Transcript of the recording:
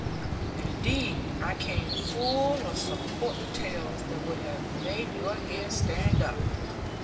And indeed I came full of some courtly tales, that would have made your hair stand up.